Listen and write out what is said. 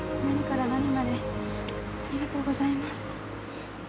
何から何までありがとうございます。